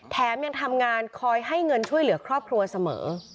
แถมยังทำงานคอยให้เงินช่วยเหลือครอบครัวเสมอ